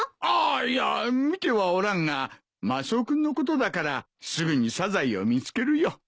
あいや見てはおらんがマスオ君のことだからすぐにサザエを見つけるよ。